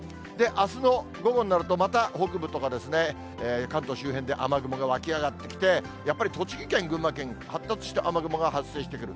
あすの午後になると、また北部とかですね、関東周辺で雨雲が湧き上がってきて、やっぱり栃木県、群馬県、発達した雨雲が発生してくる。